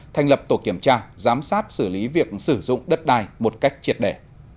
thành lập tổ kiểm tra giám sát xử lý việc sử dụng đất đài một cách triệt đẻ